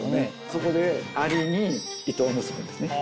そこで蟻に糸を結ぶんですね。